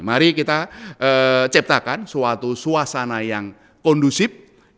mari kita ciptakan suatu suasana yang kondusif